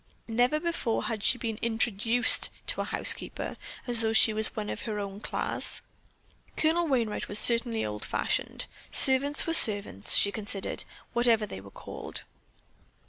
Never before had she been introduced to a housekeeper as though she were one of her own class. Colonel Wainright was certainly old fashioned. Servants were servants, she considered, whatever they were called.